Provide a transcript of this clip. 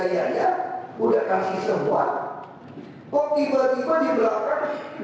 ini adalah ini pak ibu nakana